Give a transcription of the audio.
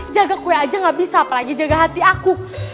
jaga kue aja gak bisa apalagi jaga hati aku